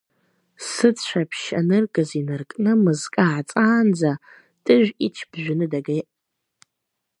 Сыцә-аԥшь аныргаз инаркны мызкы ааҵаанӡа Тыжә ич ԥжәаны дагеит.